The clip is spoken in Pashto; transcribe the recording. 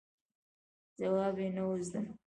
ځواب یې نه و زده.